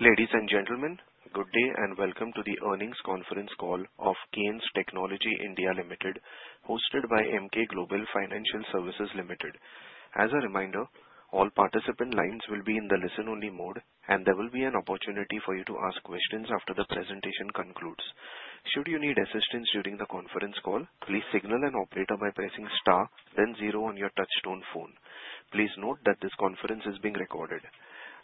Ladies and gentlemen, good day and welcome to the earnings conference call of Kaynes Technology India Limited, hosted by Emkay Global Financial Services Limited. As a reminder, all participant lines will be in the listen-only mode, and there will be an opportunity for you to ask questions after the presentation concludes. Should you need assistance during the conference call, please signal an operator by pressing star, then zero on your touchtone phone. Please note that this conference is being recorded.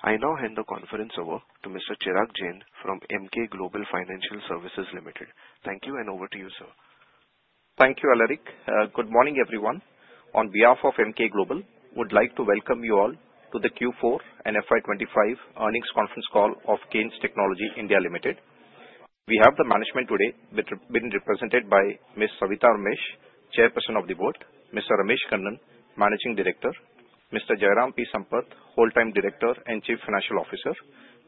I now hand the conference over to Mr. Chirag Jain from Emkay Global Financial Services Limited. Thank you, and over to you, sir. Thank you, Alaric. Good morning, everyone. On behalf of Emkay Global, I would like to welcome you all to the Q4 and FY 2025 earnings conference call of Kaynes Technology India Limited. We have the management today being represented by Ms. Savita Ramesh, Chairperson of the Board, Mr. Ramesh Kannan, Managing Director, Mr. Jairam Sampath, Whole-time Director and Chief Financial Officer,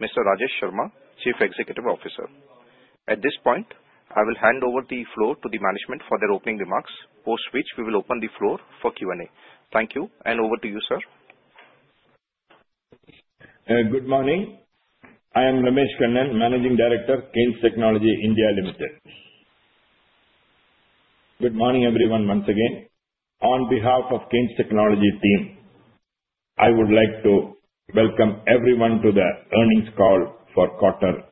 Mr. Rajesh Sharma, Chief Executive Officer. At this point, I will hand over the floor to the management for their opening remarks, post which we will open the floor for Q&A. Thank you, and over to you, sir. Good morning. I am Ramesh Kannan, Managing Director, Kaynes Technology India Limited. Good morning, everyone, once again. On behalf of Kaynes Technology team, I would like to welcome everyone to the earnings call for quarter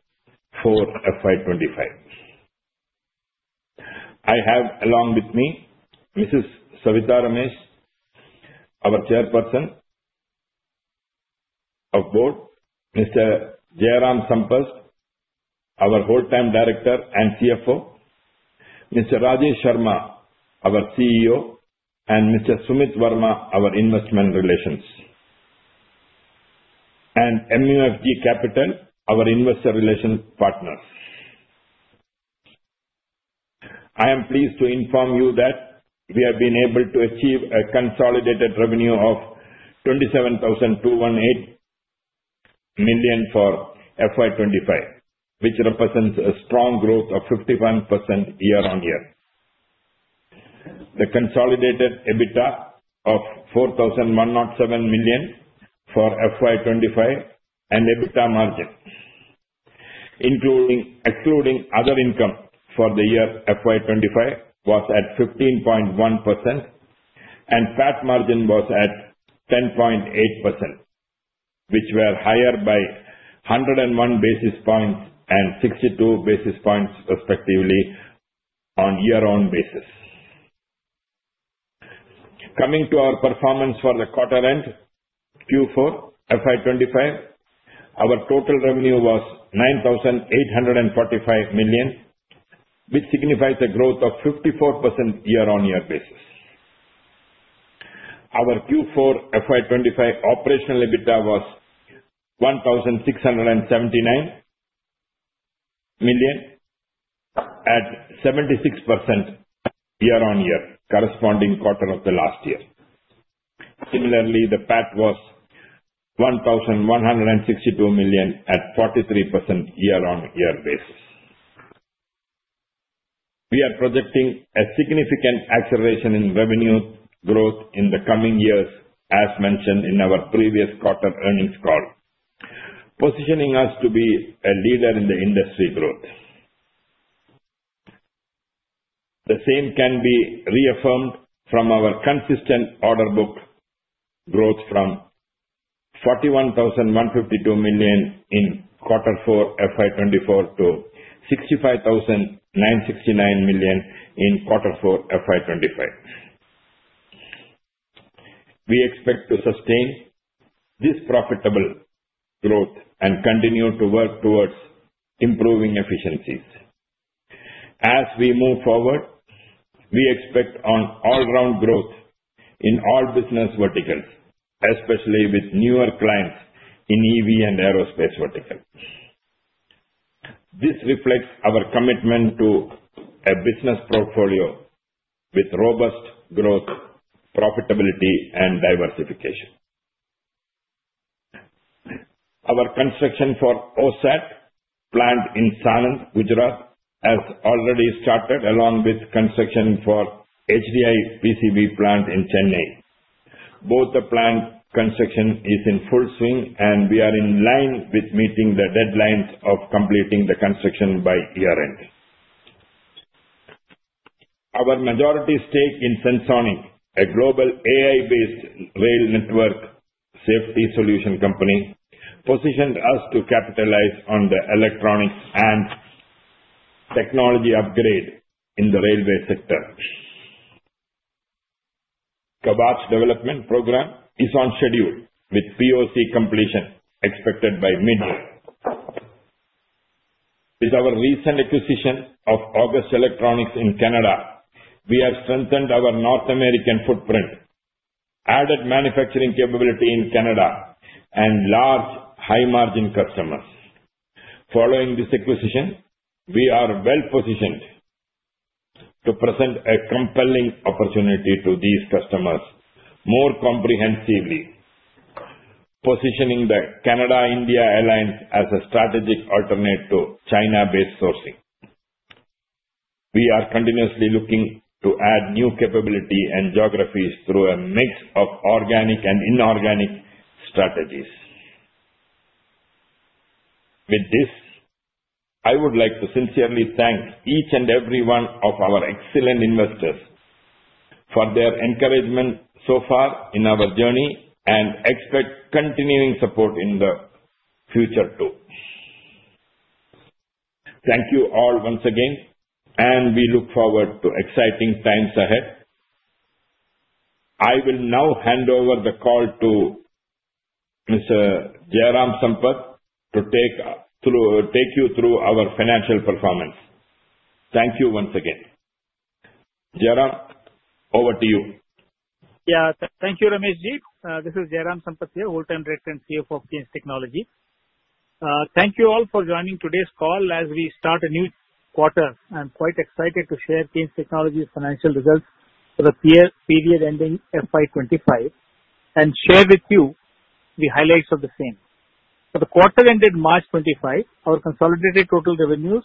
four, FY 2025. I have, along with me, Mrs. Savita Ramesh, our Chairperson of the Board; Mr. Jairam Sampath, our Whole-time Director and CFO; Mr. Rajesh Sharma, our CEO; and Mr. Sumit Verma, our Investor Relations; and MUFG Capital, our investor relations partners. I am pleased to inform you that we have been able to achieve a consolidated revenue of 27,218 million for FY 2025, which represents a strong growth of 51% year-on-year. The consolidated EBITDA of 4,107 million for FY 2025 and EBITDA margin, excluding other income for the year FY 2025, was at 15.1%, and PAT margin was at 10.8%, which were higher by 101 basis points and 62 basis points, respectively, on year-on-year basis. Coming to our performance for the quarter-end Q4, FY 2025, our total revenue was 9,845 million, which signifies a growth of 54% year-on-year basis. Our Q4, FY 2025 operational EBITDA was 1,679 million at 76% year-on-year, corresponding to the quarter of the last year. Similarly, the PAT was 1,162 million at 43% year-on-year basis. We are projecting a significant acceleration in revenue growth in the coming years, as mentioned in our previous quarter earnings call, positioning us to be a leader in the industry growth. The same can be reaffirmed from our consistent order book growth from 41,152 million in quarter four, FY 2024, to 65,969 million in quarter four, FY 2025. We expect to sustain this profitable growth and continue to work towards improving efficiencies. As we move forward, we expect all-round growth in all business verticals, especially with newer clients in EV and aerospace verticals. This reflects our commitment to a business portfolio with robust growth, profitability, and diversification. Our construction for OSAT plant in Sanand, Gujarat, has already started, along with construction for HDI PCB plant in Chennai. Both the plant construction is in full swing, and we are in line with meeting the deadlines of completing the construction by year-end. Our majority stake in Sensonic, a global AI-based rail network safety solution company, positioned us to capitalize on the electronics and technology upgrade in the railway sector. Kavach development program is on schedule, with POC completion expected by mid-year. With our recent acquisition of August Electronics in Canada, we have strengthened our North American footprint, added manufacturing capability in Canada, and large high-margin customers. Following this acquisition, we are well-positioned to present a compelling opportunity to these customers more comprehensively, positioning the Canada-India alliance as a strategic alternative to China-based sourcing. We are continuously looking to add new capability and geographies through a mix of organic and inorganic strategies. With this, I would like to sincerely thank each and every one of our excellent investors for their encouragement so far in our journey and expect continuing support in the future too. Thank you all once again, and we look forward to exciting times ahead. I will now hand over the call to Mr. Jairam Sampath to take you through our financial performance. Thank you once again. Jairam, over to you. Yeah, thank you, Ramesh Ji. This is Jairam Sampath here, Whole-time Director and CFO of Kaynes Technology. Thank you all for joining today's call as we start a new quarter. I'm quite excited to share Kaynes Technology's financial results for the period ending FY 2025 and share with you the highlights of the same. For the quarter ended March 2025, our consolidated total revenues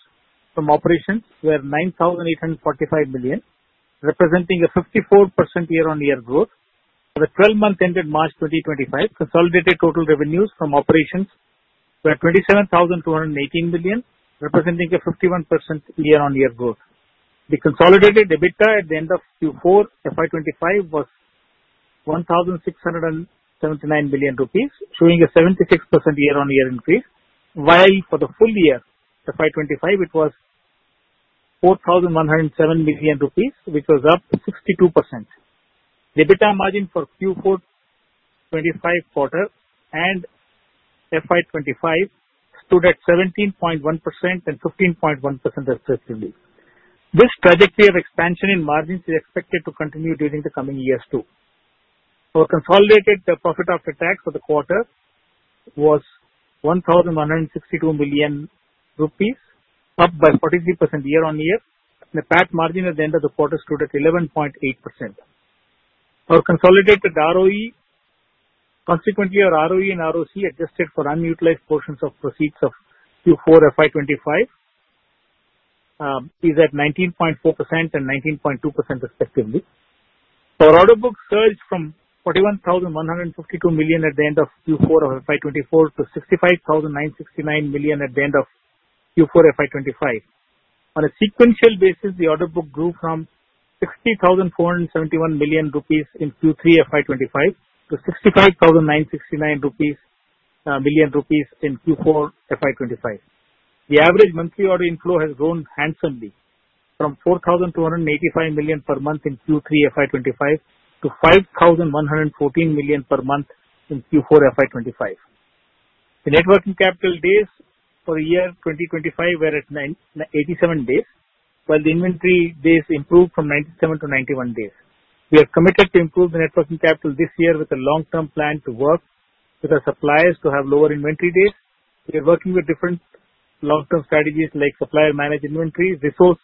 from operations were 9,845 million, representing a 54% year-on-year growth. For the 12 month ended March 2025, consolidated total revenues from operations were 27,218 million, representing a 51% year-on-year growth. The consolidated EBITDA at the end of Q4, FY 2025, was 1,679 million rupees, showing a 76% year-on-year increase, while for the full year, FY 2025, it was 4,107 million rupees, which was up 62%. The EBITDA margin for Q4 FY 2025 quarter and FY 2025 stood at 17.1% and 15.1%, respectively. This trajectory of expansion in margins is expected to continue during the coming years too. Our consolidated profit after tax for the quarter was 1,162 million rupees, up by 43% year-on-year. The PAT margin at the end of the quarter stood at 11.8%. Our consolidated ROE, consequently, our ROE and ROCE adjusted for unutilized portions of proceeds of Q4, FY 2025, is at 19.4% and 19.2%, respectively. Our order book surged from 41,152 million at the end of Q4 of FY 2024 to 65,969 million at the end of Q4, FY 2025. On a sequential basis, the order book grew from 60,471 million rupees in Q3, FY 2025, to 65,969 million rupees in Q4, FY 2025. The average monthly order inflow has grown handsomely from 4,285 million per month in Q3, FY 2025, to 5,114 million per month in Q4, FY 2025. The net working capital days for the year 2025 were at 87 days, while the inventory days improved from 97 to 91 days. We are committed to improve the net working capital this year with a long-term plan to work with our suppliers to have lower inventory days. We are working with different long-term strategies like supplier-managed inventory, receivables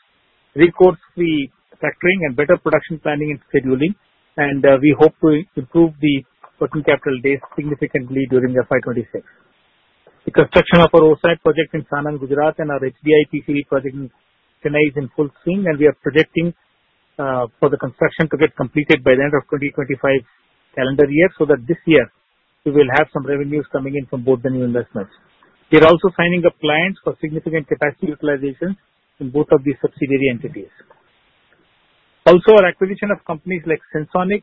recourse-free factoring, and better production planning and scheduling, and we hope to improve the working capital days significantly during FY 2026. The construction of our OSAT project in Sanand, Gujarat, and our HDI PCB project in Chennai is in full swing, and we are projecting for the construction to get completed by the end of the 2025 calendar year so that this year we will have some revenues coming in from both the new investments. We are also signing up clients for significant capacity utilization in both of these subsidiary entities. Also, our acquisition of companies like Sensonic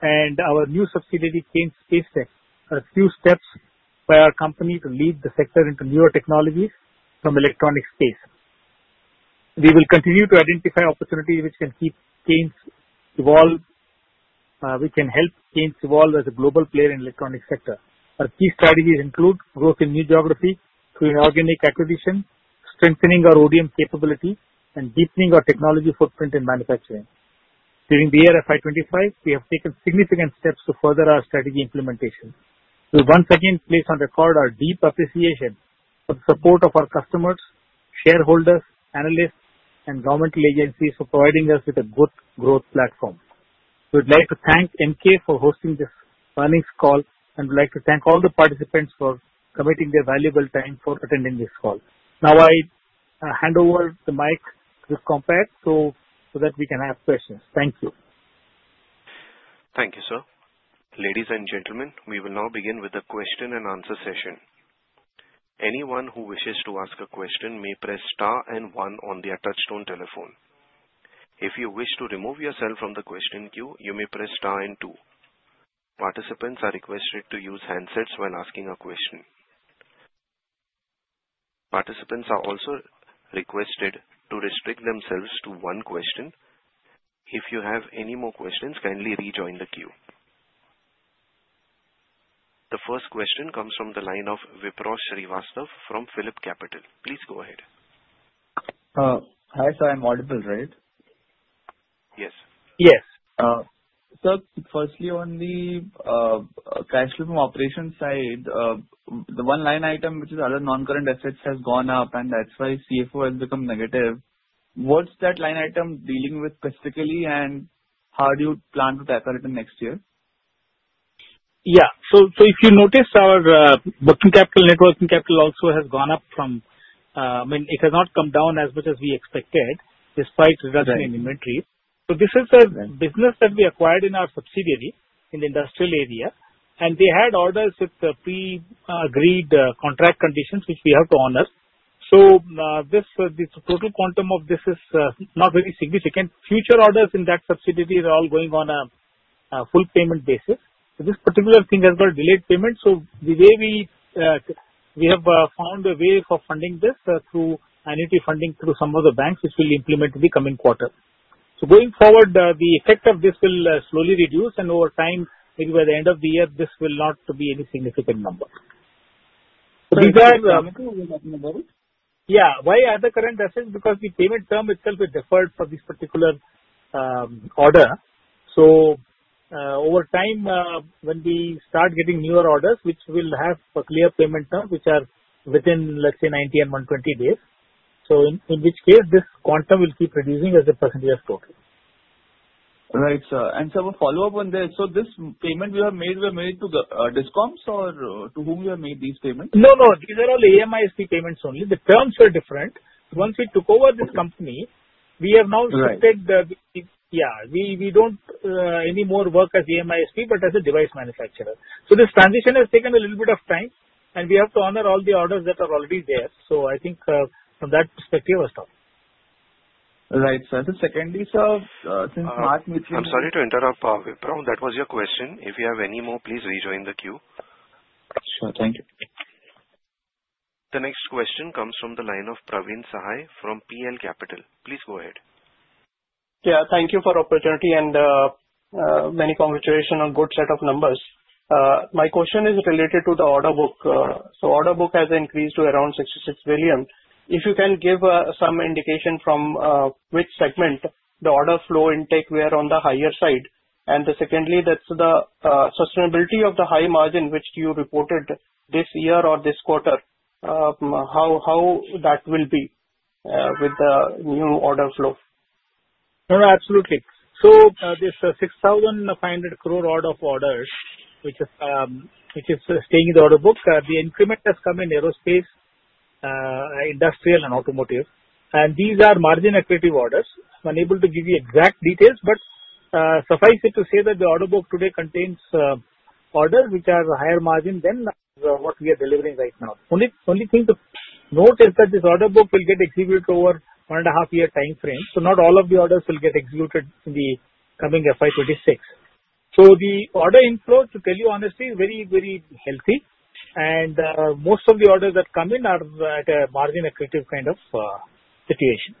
and our new subsidiary Kaynes SpaceTech are a few steps for our company to lead the sector into newer technologies from electronics space. We will continue to identify opportunities which can keep Kaynes evolve, which can help Kaynes evolve as a global player in the electronics sector. Our key strategies include growth in new geography through inorganic acquisition, strengthening our ODM capability, and deepening our technology footprint in manufacturing. During the year FY 2025, we have taken significant steps to further our strategy implementation. We once again place on record our deep appreciation for the support of our customers, shareholders, analysts, and governmental agencies for providing us with a good growth platform. We would like to thank Emkay for hosting this earnings call and would like to thank all the participants for committing their valuable time for attending this call. Now I hand over the mic to the company so that we can ask questions. Thank you. Thank you, sir. Ladies and gentlemen, we will now begin with the question and answer session. Anyone who wishes to ask a question may press star and one on the touch-tone telephone. If you wish to remove yourself from the question queue, you may press star and two. Participants are requested to use handsets while asking a question. Participants are also requested to restrict themselves to one question. If you have any more questions, kindly rejoin the queue. The first question comes from the line of Vipraw Srivastava from PhillipCapital. Please go ahead. Hi, sir. I'm audible, right? Yes. Yes. Sir, firstly, on the cash flow from operations side, the one line item which is other non-current assets has gone up, and that's why CFO has become negative. What's that line item dealing with specifically, and how do you plan to tackle it in next year? Yeah. So if you notice, our working capital, net working capital, also has gone up from. I mean, it has not come down as much as we expected despite reduction in inventory. So this is a business that we acquired in our subsidiary in the industrial area, and they had orders with pre-agreed contract conditions which we have to honor. So the total quantum of this is not very significant. Future orders in that subsidiary are all going on a full payment basis. This particular thing has got delayed payment, so the way we have found a way for funding this through annuity funding through some of the banks, which we'll implement in the coming quarter. So going forward, the effect of this will slowly reduce, and over time, maybe by the end of the year, this will not be any significant number. So these are the other current assets? Yeah. Why other current assets? Because the payment term itself is deferred for this particular order. So over time, when we start getting newer orders, which will have a clear payment term, which are within, let's say, 90-120 days, so in which case this quantum will keep reducing as the percentage of total. Right, sir. And sir, a follow-up on this. So this payment we have made, we have made to DISCOMs or to whom we have made these payments? No, no. These are all AMISP payments only. The terms were different. Once we took over this company, we have now shifted. Right. Yeah. We don't anymore work as AMISP, but as a device manufacturer. So this transition has taken a little bit of time, and we have to honor all the orders that are already there. So I think from that perspective, we're stopped. Right, sir, so secondly, sir, since March mid-year. I'm sorry to interrupt, Vipraw. That was your question. If you have any more, please rejoin the queue. Sure. Thank you. The next question comes from the line of Praveen Sahay from PL Capital. Please go ahead. Yeah. Thank you for the opportunity, and many congratulations on a good set of numbers. My question is related to the order book. So the order book has increased to around 66 million. If you can give some indication from which segment the order flow intake were on the higher side, and secondly, that's the sustainability of the high margin which you reported this year or this quarter, how that will be with the new order flow? No, no. Absolutely. So this 6,500 crore order of orders, which is staying in the order book, the increment has come in aerospace, industrial, and automotive. And these are margin accretive orders. Unable to give you exact details, but suffice it to say that the order book today contains orders which are a higher margin than what we are delivering right now. The only thing to note is that this order book will get executed over a one-and-a-half-year time frame, so not all of the orders will get executed in the coming FY 2026. So the order inflow, to tell you honestly, is very, very healthy, and most of the orders that come in are at a margin accretive kind of situation.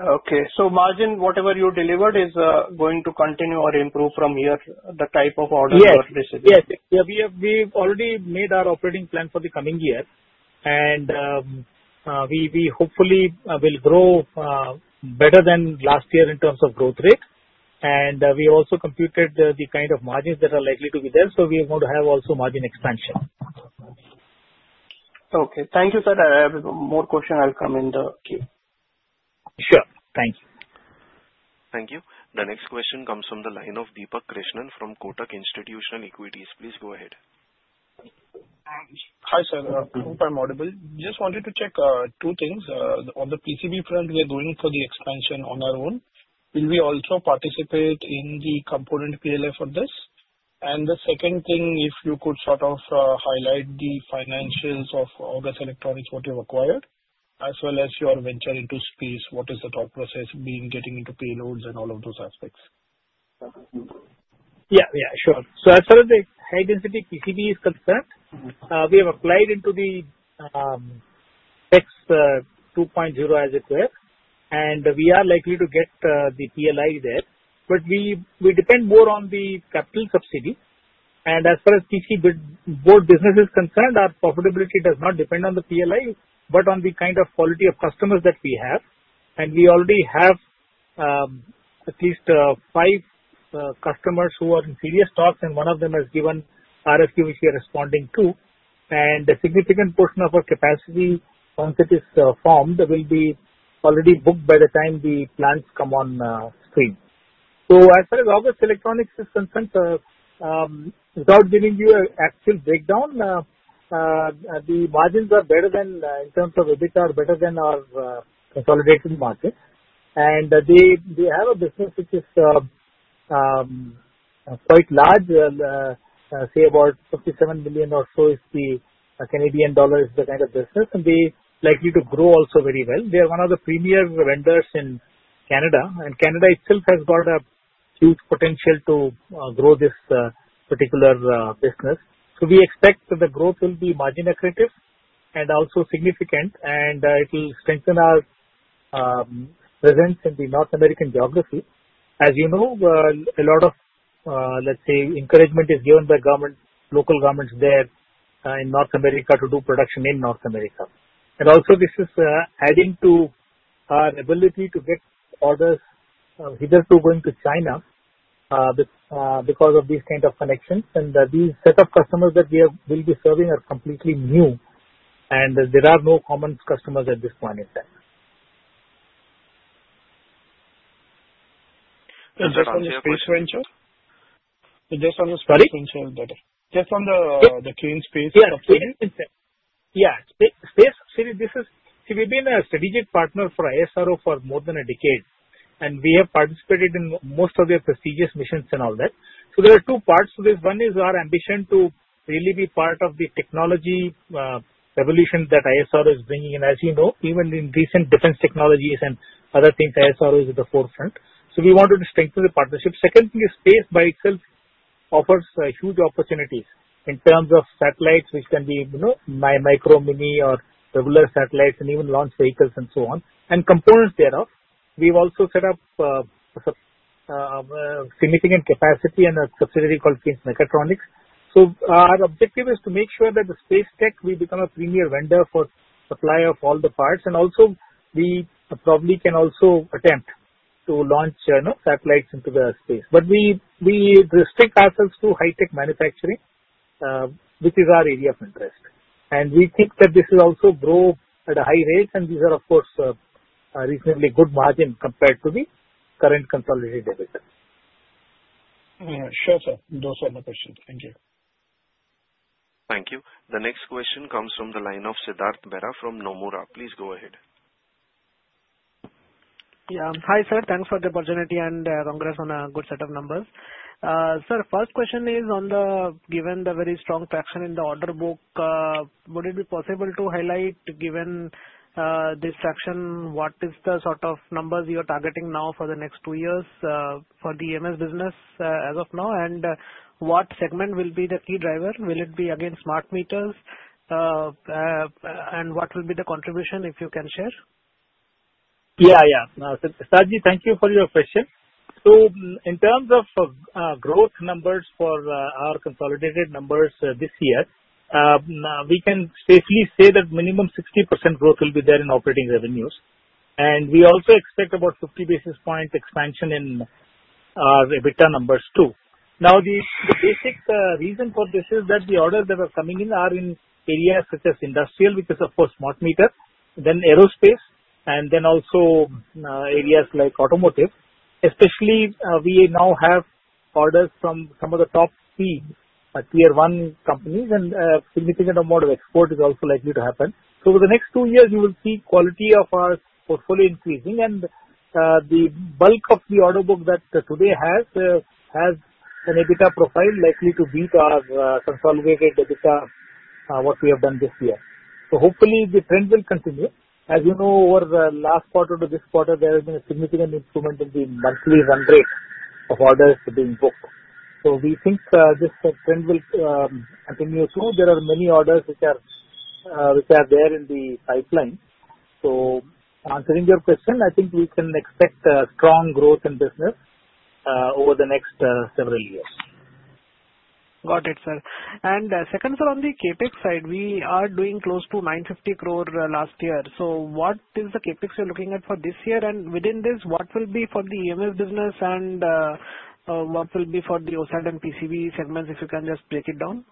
Okay. So margin, whatever you delivered, is going to continue or improve from here, the type of orders or decisions? Yes. Yes. We have already made our operating plan for the coming year, and we hopefully will grow better than last year in terms of growth rate, and we also computed the kind of margins that are likely to be there, so we want to have also margin expansion. Okay. Thank you, sir. I have more questions that will come in the queue. Sure. Thank you. Thank you. The next question comes from the line of Deepak Krishnan from Kotak Institutional Equities. Please go ahead. Hi, sir. I'm Vipraw Srivastava. Just wanted to check two things. On the PCB front, we are going for the expansion on our own. Will we also participate in the component PLI for this? And the second thing, if you could sort of highlight the financials of August Electronics, what you've acquired, as well as your venture into space, what is the thought process of getting into payloads and all of those aspects? Yeah. Yeah. Sure. So as far as the high-density PCB is concerned, we have applied into the PLI 2.0 as it were, and we are likely to get the PLI there. But we depend more on the capital subsidy. And as far as PCB board business is concerned, our profitability does not depend on the PLI, but on the kind of quality of customers that we have. And we already have at least five customers who are in serious talks, and one of them has given RFQ, which we are responding to. And a significant portion of our capacity once it is formed will be already booked by the time the plant comes on stream. So as far as August Electronics is concerned, sir, without giving you an actual breakdown, the margins are better than in terms of EBITDA, are better than our consolidated margins. They have a business which is quite large, say about 57 million or so in Canadian dollars is the kind of business, and they are likely to grow also very well. They are one of the premier vendors in Canada, and Canada itself has got a huge potential to grow this particular business. We expect that the growth will be margin accretive and also significant, and it will strengthen our presence in the North American geography. As you know, a lot of, let's say, encouragement is given by local governments there in North America to do production in North America. This is adding to our ability to get orders either through going to China because of these kinds of connections. These set of customers that we will be serving are completely new, and there are no common customers at this point in time. Just on the space venture, is that it? Just on the Kaynes SpaceTech? Yeah. Kaynes Space subsidiary, this is we've been a strategic partner for ISRO for more than a decade, and we have participated in most of their prestigious missions and all that. So there are two parts to this. One is our ambition to really be part of the technology revolution that ISRO is bringing in. As you know, even in recent defense technologies and other things, ISRO is at the forefront. So we wanted to strengthen the partnership. Second thing is space by itself offers huge opportunities in terms of satellites, which can be micro, mini, or regular satellites, and even launch vehicles and so on, and components thereof. We've also set up a significant capacity and a subsidiary called Kaynes Mechatronics. So our objective is to make sure that the space tech will become a premier vendor for supply of all the parts, and also we probably can also attempt to launch satellites into the space. But we restrict ourselves to high-tech manufacturing, which is our area of interest. And we think that this will also grow at a high rate, and these are, of course, a reasonably good margin compared to the current consolidated EBITDA. Sure, sir. Those are my questions. Thank you. Thank you. The next question comes from the line of Siddhartha Bera from Nomura. Please go ahead. Yeah. Hi, sir. Thanks for the opportunity and congrats on a good set of numbers. Sir, first question is on, given the very strong traction in the order book, would it be possible to highlight, given this traction, what is the sort of numbers you are targeting now for the next two years for the EMS business as of now, and what segment will be the key driver? Will it be, again, smart meters, and what will be the contribution, if you can share? Yeah. Yeah. Sid, thank you for your question. So in terms of growth numbers for our consolidated numbers this year, we can safely say that minimum 60% growth will be there in operating revenues. We also expect about 50 basis points expansion in our EBITDA numbers too. Now, the basic reason for this is that the orders that are coming in are in areas such as industrial, which is, of course, smart meters, then aerospace, and then also areas like automotive. Especially, we now have orders from some of the top-tier one companies, and a significant amount of export is also likely to happen. So over the next two years, you will see quality of our portfolio increasing, and the bulk of the order book that today has an EBITDA profile likely to beat our consolidated EBITDA, what we have done this year. So hopefully, the trend will continue. As you know, over the last quarter to this quarter, there has been a significant increment in the monthly run rate of orders being booked. So we think this trend will continue too. There are many orders which are there in the pipeline. So answering your question, I think we can expect strong growth in business over the next several years. Got it, sir. And second, sir, on the CapEx side, we are doing close to 950 crore last year. So what is the CapEx you're looking at for this year, and within this, what will be for the EMS business, and what will be for the OSAT and PCB segments, if you can just break it down?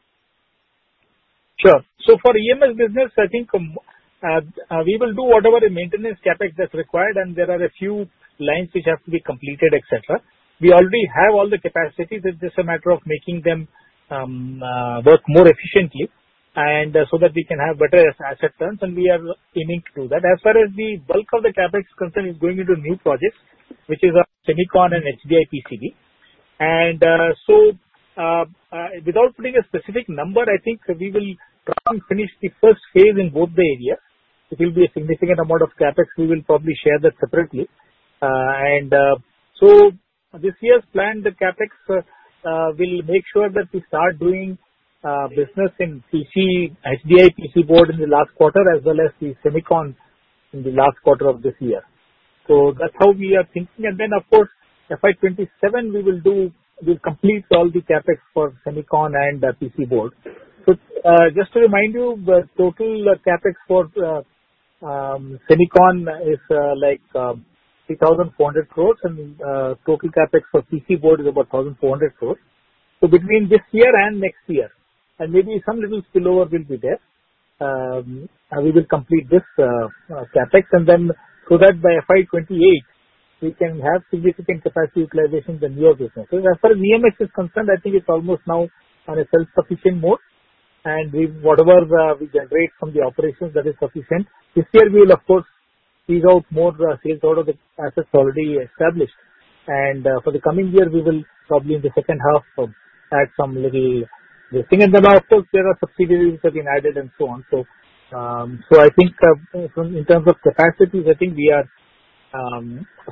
Sure. So for EMS business, I think we will do whatever maintenance CapEx that's required, and there are a few lines which have to be completed, etc. We already have all the capacity. It's just a matter of making them work more efficiently so that we can have better asset turns, and we are aiming to do that. As far as the bulk of the CapEx concern is going into new projects, which are Semicon and HDI PCB. And so without putting a specific number, I think we will try and finish the first phase in both the areas. It will be a significant amount of CapEx. We will probably share that separately. And so this year's plan, the CapEx will make sure that we start doing business in HDI PCB in the last quarter as well as the Semicon in the last quarter of this year. So that's how we are thinking. And then, of course, FY 2027, we will complete all the CapEx for Semicon and PC board. So just to remind you, the total CapEx for Semicon is like 3,400 crores, and total CapEx for PC board is about 1,400 crores. So between this year and next year, and maybe some little spillover will be there, we will complete this CapEx. And then so that by FY 2028, we can have significant capacity utilization in the newer businesses. As far as EMS is concerned, I think it's almost now on a self-sufficient mode, and whatever we generate from the operations, that is sufficient. This year, we will, of course, figure out more sales out of the assets already established. And for the coming year, we will probably in the second half add some little listing. And then, of course, there are subsidiaries that have been added and so on. So I think in terms of capacities, I think we are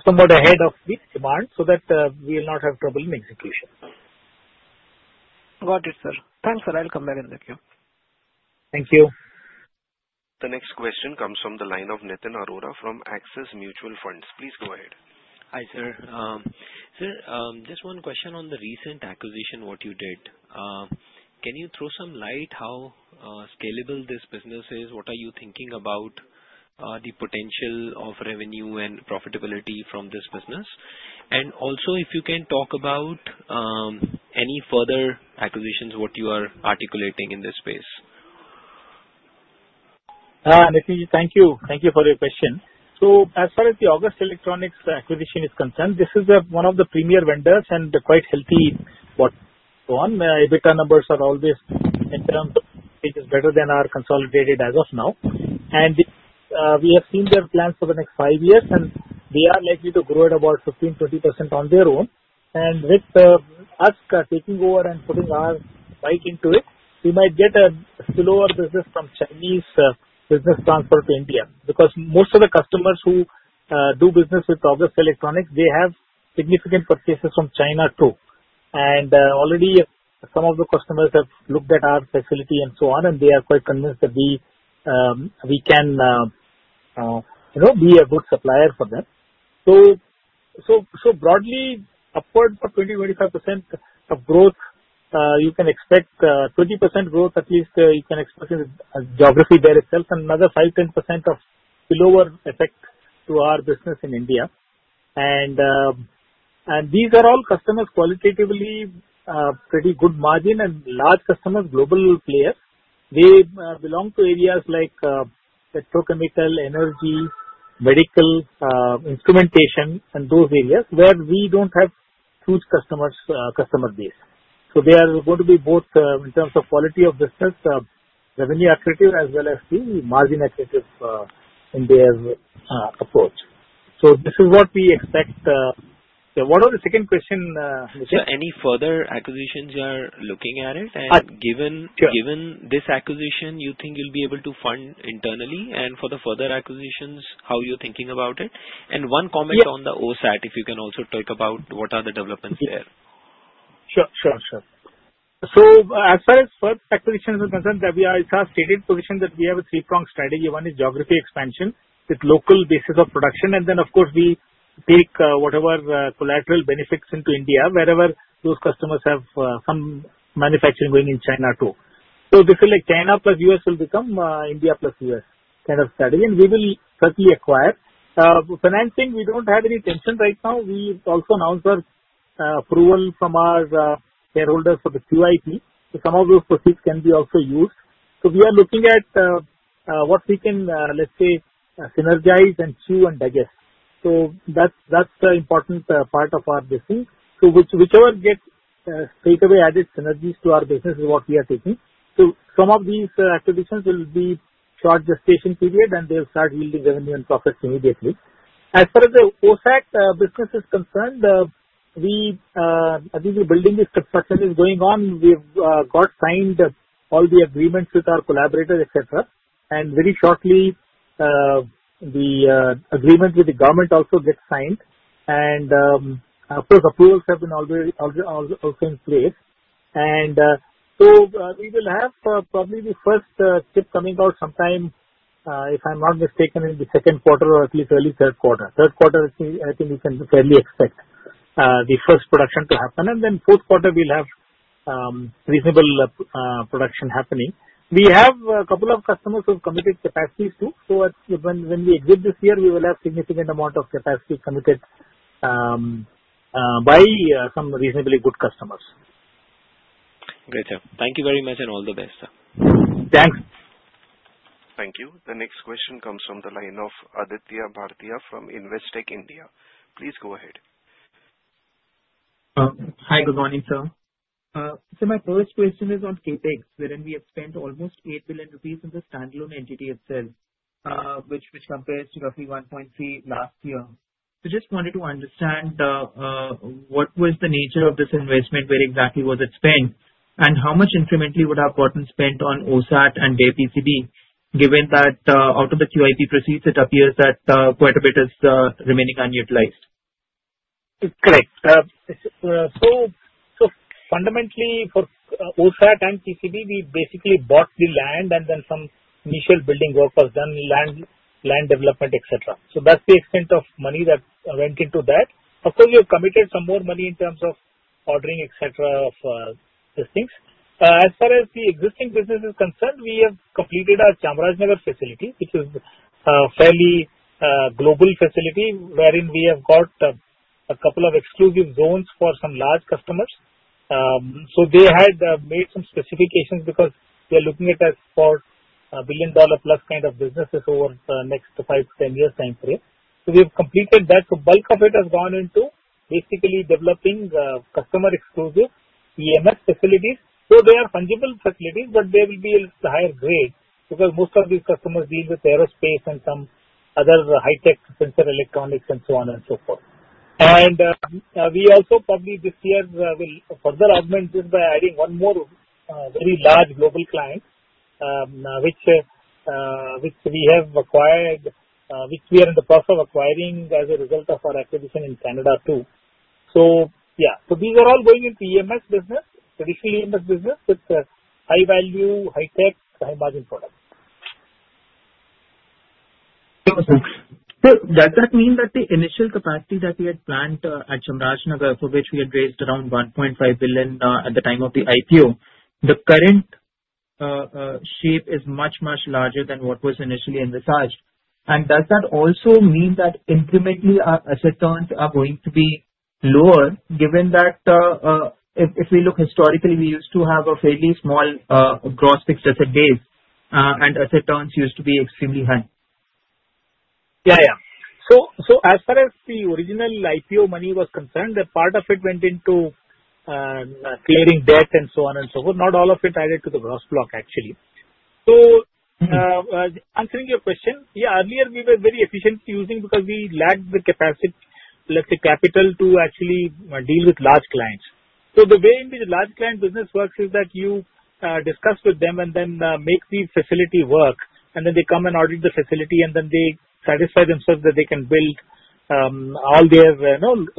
somewhat ahead of the demand so that we will not have trouble in execution. Got it, sir. Thanks, sir. I'll come back in the queue. Thank you. The next question comes from the line of Nitin Arora from Axis Mutual Fund. Please go ahead. Hi, sir. Sir, just one question on the recent acquisition what you did. Can you throw some light on how scalable this business is? What are you thinking about the potential of revenue and profitability from this business? And also, if you can talk about any further acquisitions what you are articulating in this space. Nitin, thank you. Thank you for your question. As far as the August Electronics acquisition is concerned, this is one of the premier vendors and quite healthy and so on. EBITDA numbers are always, in terms of percentage, better than our consolidated as of now. We have seen their plans for the next five years, and they are likely to grow at about 15%-20% on their own. With us taking over and putting our bite into it, we might get a spillover business from Chinese business transfer to India because most of the customers who do business with August Electronics, they have significant purchases from China too. Already, some of the customers have looked at our facility and so on, and they are quite convinced that we can be a good supplier for them. So broadly, upward of 20%-25% growth, you can expect 20% growth, at least you can expect in the geography there itself, and another 5%-10% spillover effect to our business in India. And these are all customers qualitatively pretty good margin and large customers, global players. They belong to areas like petrochemical, energy, medical, instrumentation, and those areas where we don't have huge customer base. So they are going to be both in terms of quality of business, revenue activity, as well as the margin activity in their approach. So this is what we expect. Yeah. What was the second question, Nitin? So any further acquisitions you are looking at? And given this acquisition, you think you'll be able to fund internally? And for the further acquisitions, how are you thinking about it? And one comment on the OSAT, if you can also talk about what are the developments there? Sure. So as far as first acquisitions are concerned, it's our stated position that we have a three-pronged strategy. One is geography expansion with local base of production, and then, of course, we take whatever collateral benefits into India wherever those customers have some manufacturing going in China too. So this is like China plus one will become India plus one kind of strategy, and we will certainly acquire. Financing, we don't have any tension right now. We also announced our approval from our shareholders for the QIP. So some of those proceeds can be also used. So we are looking at what we can, let's say, synergize and chew and digest. So that's the important part of our business. So whichever gets straightaway added synergies to our business is what we are taking. Some of these acquisitions will be short gestation period, and they'll start yielding revenue and profits immediately. As far as the OSAT business is concerned, I think the building construction is going on. We've got signed all the agreements with our collaborators, etc. Very shortly, the agreement with the government also gets signed. Of course, approvals have been also in place. So we will have probably the first chip coming out sometime, if I'm not mistaken, in the second quarter or at least early third quarter. Third quarter, I think we can fairly expect the first production to happen. Then fourth quarter, we'll have reasonable production happening. We have a couple of customers who've committed capacities too. When we exit this year, we will have a significant amount of capacity committed by some reasonably good customers. Great, sir. Thank you very much and all the best, sir. Thanks. Thank you. The next question comes from the line of Aditya Bhartia from Investec India. Please go ahead. Hi, good morning, sir. So my first question is on CapEx, wherein we have spent almost 8 billion rupees in the standalone entity itself, which compares to roughly 1.3 billion last year. So just wanted to understand what was the nature of this investment, where exactly was it spent, and how much incrementally would have gotten spent on OSAT and HDI PCB, given that out of the QIP proceeds, it appears that quite a bit is remaining unutilized. Correct. So fundamentally, for OSAT and PCB, we basically bought the land, and then some initial building work was done, land development, etc. So that's the extent of money that went into that. Of course, we have committed some more money in terms of ordering, etc., of these things. As far as the existing business is concerned, we have completed our Chamarajanagar facility, which is a fairly global facility wherein we have got a couple of exclusive zones for some large customers. So they had made some specifications because they are looking at us for a billion-dollar-plus kind of businesses over the next five to 10 years' time frame. So we have completed that. So bulk of it has gone into basically developing customer-exclusive EMS facilities. So they are fungible facilities, but they will be a little higher grade because most of these customers deal with aerospace and some other high-tech sensor electronics and so on and so forth. And we also probably this year will further augment this by adding one more very large global client, which we have acquired, which we are in the process of acquiring as a result of our acquisition in Canada too. So yeah. So these are all going into EMS business, traditional EMS business with high-value, high-tech, high-margin products. That does mean that the initial capacity that we had planned at Chamarajanagar, for which we had raised around 1.5 billion at the time of the IPO, the current shape is much, much larger than what was initially envisaged, and does that also mean that incrementally, our asset turns are going to be lower, given that if we look historically, we used to have a fairly small gross fixed asset base, and asset turns used to be extremely high? Yeah. Yeah. So as far as the original IPO money was concerned, part of it went into clearing debt and so on and so forth. Not all of it added to the gross block, actually. So answering your question, yeah, earlier, we were very efficiently using because we lacked the capacity, let's say, capital to actually deal with large clients. So the way in which large client business works is that you discuss with them and then make the facility work, and then they come and audit the facility, and then they satisfy themselves that they can build all their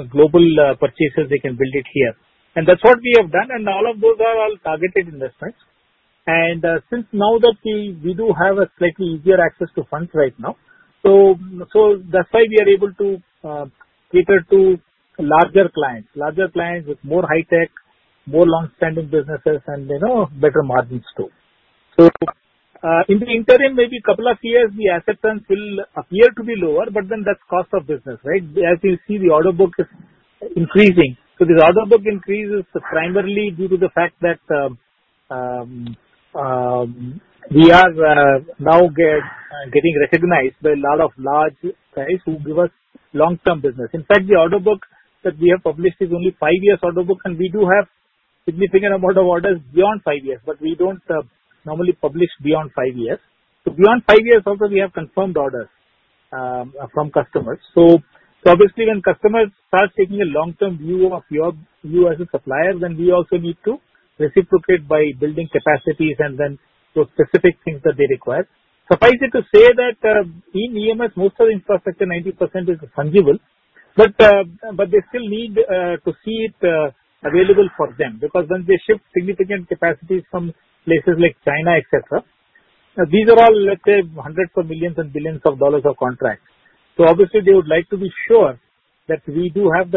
global purchases. They can build it here. And all of those are all targeted investments. Since now that we do have a slightly easier access to funds right now, so that's why we are able to cater to larger clients, larger clients with more high-tech, more long-standing businesses, and better margins too. So in the interim, maybe a couple of years, the asset turns will appear to be lower, but then that's cost of business, right? As you see, the order book is increasing. So this order book increases primarily due to the fact that we are now getting recognized by a lot of large guys who give us long-term business. In fact, the order book that we have published is only five years' order book, and we do have a significant amount of orders beyond five years, but we don't normally publish beyond five years. So beyond five years, also, we have confirmed orders from customers. So obviously, when customers start taking a long-term view of you as a supplier, then we also need to reciprocate by building capacities and then those specific things that they require. Suffice it to say that in EMS, most of the infrastructure, 90%, is fungible, but they still need to see it available for them because when they ship significant capacities from places like China, et cetera, these are all, let's say, hundreds of millions and billions of dollars of contracts. So obviously, they would like to be sure that we do have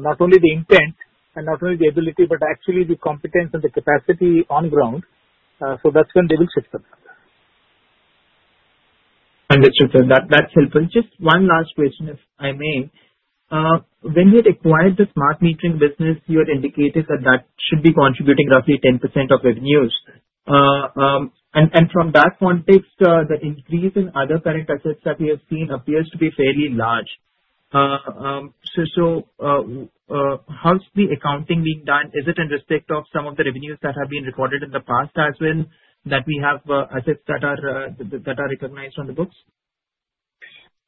not only the intent and not only the ability, but actually the competence and the capacity on ground. So that's when they will ship to them. Understood. That's helpful. Just one last question, if I may. When you had acquired the smart metering business, you had indicated that that should be contributing roughly 10% of revenues. And from that context, the increase in other current assets that we have seen appears to be fairly large. So how's the accounting being done? Is it in respect of some of the revenues that have been recorded in the past as well that we have assets that are recognized on the books?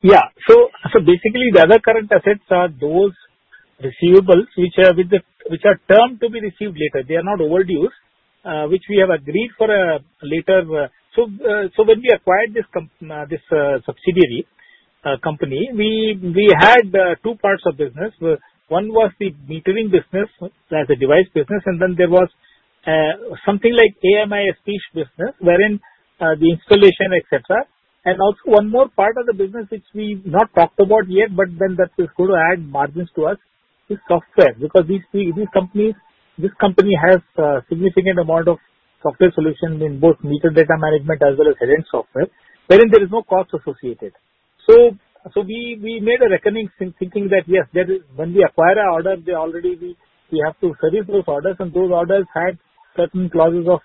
Yeah. So basically, the other current assets are those receivables which are termed to be received later. They are not overdue, which we have agreed for later. So when we acquired this subsidiary company, we had two parts of business. One was the metering business as a device business, and then there was something like AMISP's business wherein the installation, etc. And also one more part of the business, which we have not talked about yet, but then that is going to add margins to us, is software because this company has a significant amount of software solution in both meter data management as well as head-end software, wherein there is no cost associated. So we made a reckoning thinking that, yes, when we acquire an order, we have to service those orders, and those orders had certain clauses of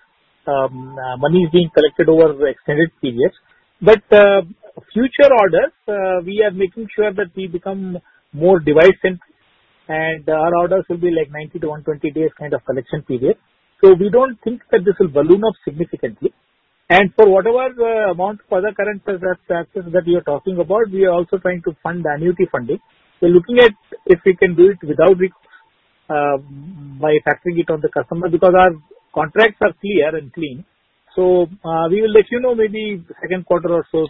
money being collected over extended periods. But future orders, we are making sure that we become more device-centric, and our orders will be like 90-120 days kind of collection period. So we don't think that this will balloon up significantly. And for whatever amount of other current assets that you're talking about, we are also trying to fund annuity funding. We're looking at if we can do it without recourse by factoring it on the customer because our contracts are clear and clean. So we will let you know maybe second quarter or so.